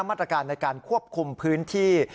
มาตรการในการควบคุมพื้นที่